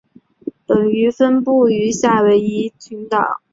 本鱼分布于夏威夷群岛。